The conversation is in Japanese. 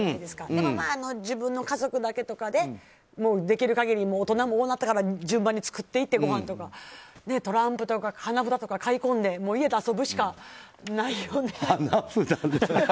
でも自分の家族だけとかで大人も多くなったから順番にごはんとか作っていってトランプとか花札とか買い込んで家で遊ぶしかないよね。